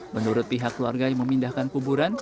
menurut pihak keluarga yang memindahkan kuburan